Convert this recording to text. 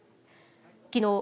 きのう